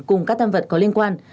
cùng các tăng vật có liên quan